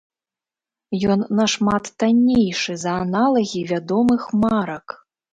Ён нашмат таннейшы за аналагі вядомых марак.